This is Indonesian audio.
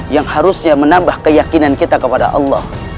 yang harusnya menambah keyakinan kita kepada allah